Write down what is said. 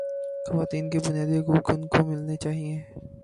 خواتین کے بنیادی حقوق ان کو ملنے چاہیے